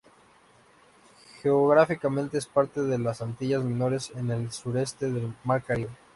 Geográficamente es parte de las Antillas Menores en el sureste del mar Caribe.